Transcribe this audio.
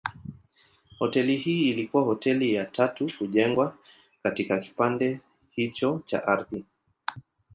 Hoteli hii ilikuwa hoteli ya tatu kujengwa katika kipande hicho cha ardhi.